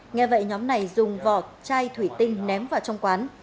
nghe vậy nhóm này dùng vỏ chai thủy tinh ném vào trong quán